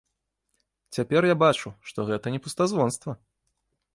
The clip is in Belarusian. Цяпер я бачу, што гэта не пустазвонства!